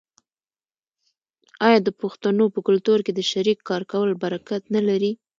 آیا د پښتنو په کلتور کې د شریک کار کول برکت نلري؟